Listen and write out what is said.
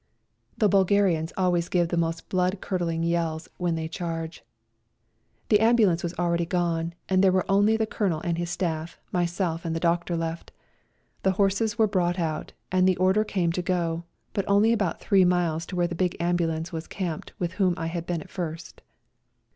The Bulgarians always give the most blood curdling yells when they charge. A RIDE TO KALABAC 67 The ambulance was already gone, and there were only the Colonel and his staff, myself and the doctor left. The horses were brought out, and the order came to go, but only about three miles to where the big ambulance was camped with whom I had been at first.